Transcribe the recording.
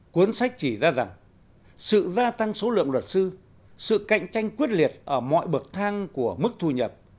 cuốn sách chỉ ra rằng sự gia tăng số lượng luật sư sự cạnh tranh quyết liệt ở mọi bậc thang của mức thu nhập